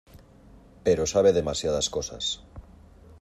pero sabe demasiadas cosas.